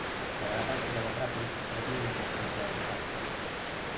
Para la práctica del rápel se requiere de un conjunto de artefactos.